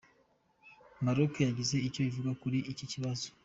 Minaloc yagize icyo ivuga kuri iki kibazo.